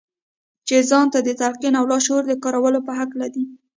چې ځان ته د تلقين او د لاشعور د کارولو په هکله دي.